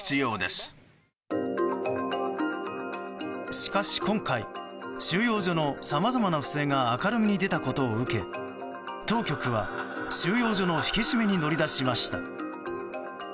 しかし、今回収容所のさまざまな不正が明るみに出たことを受け当局は、収容所の引き締めに乗り出しました。